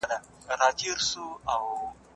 فتح خان ښار کلابند کړ.